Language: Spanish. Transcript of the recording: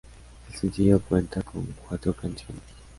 El sencillo cuenta con cuatro canciones.